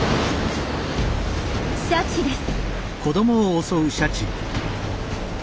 シャチです。